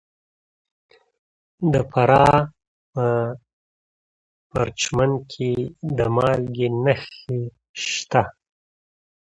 د فراه په پرچمن کې د مالګې نښې شته.